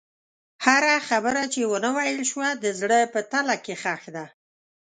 هره خبره چې ونه ویل شوه، د زړه په تله کې ښخ ده.